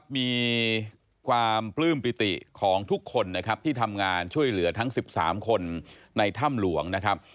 มีความปลื้มปิติของทุกคนนะครับที่ทำงานช่วยเหลือทั้ง๑๓คนในถ้ำหลวงนะครับ